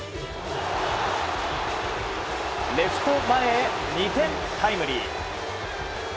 レフト前へ２点タイムリー。